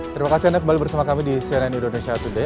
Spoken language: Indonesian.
terima kasih anda kembali bersama kami di cnn indonesia today